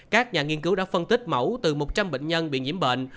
các nhà nghiên cứu đã phân tích mẫu từ một trăm linh bệnh nhân bị nhiễm bệnh